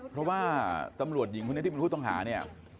เพราะว่าตำรวจหญิงคนนี้ที่เป็นผู้ต้องหาเนี่ย